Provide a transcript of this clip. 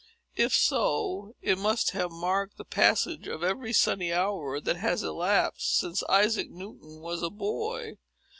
If so, it must have marked the passage of every sunny hour that has elapsed, since Isaac Newton was a boy.